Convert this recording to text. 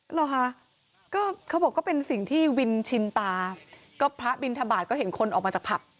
เหรอคะก็เขาบอกก็เป็นสิ่งที่วินชินตาก็พระบินทบาทก็เห็นคนออกมาจากผับ